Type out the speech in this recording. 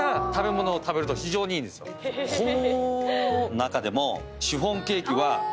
中でも。